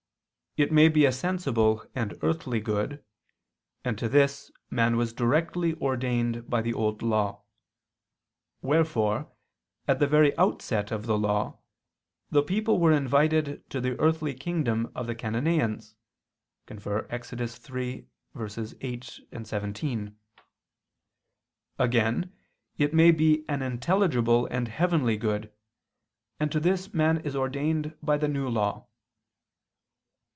It may be a sensible and earthly good; and to this, man was directly ordained by the Old Law: wherefore, at the very outset of the law, the people were invited to the earthly kingdom of the Chananaeans (Ex. 3:8, 17). Again it may be an intelligible and heavenly good: and to this, man is ordained by the New Law.